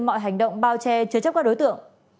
mọi hành động bao che chứa chấp các đối tượng